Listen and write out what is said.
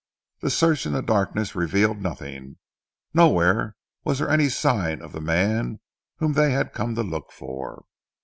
The search in the darkness revealed nothing, nowhere was there any sign of the man whom they had come to look for.